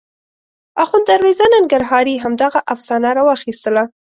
اخوند دروېزه ننګرهاري همدغه افسانه راواخیستله.